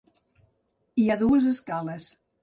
Hi ha dues escales: